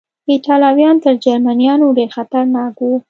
ایټالویان تر جرمنیانو ډېر خطرناک و.